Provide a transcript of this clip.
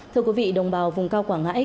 thưa quý vị đồng bào vùng cao quảng ngãi